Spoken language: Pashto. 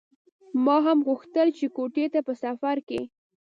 ما هم غوښتل چې کوټې ته په سفر کې.